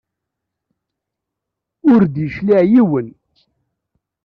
Ur d-yecliɛ yiwen.